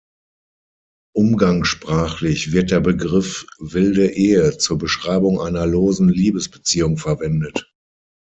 Umgangssprachlich wird der Begriff "Wilde Ehe" zur Beschreibung einer losen Liebesbeziehung verwendet.